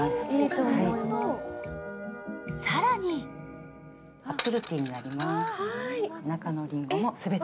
更にアップルティーになります。